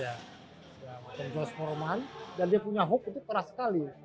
dia main jual foreman dan dia punya hook itu keras sekali